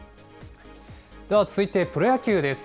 では続いてプロ野球です。